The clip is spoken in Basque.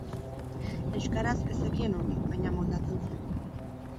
Euskaraz ez zekien ongi, baina moldatzen zen.